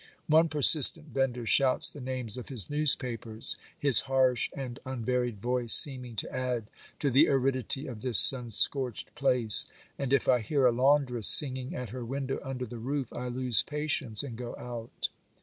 One per sistent vender shouts the names of his newspapers, his harsh and unvaried voice seeming to add to the aridity of this sun scorched place ; and if I hear a laundress singing at her window under the roof, I lose patience and go out.